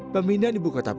pemindahan ibu kota publik